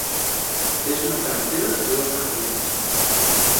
És una carretera de dos carrils.